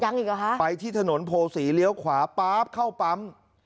อีกเหรอฮะไปที่ถนนโพศีเลี้ยวขวาป๊าบเข้าปั๊ม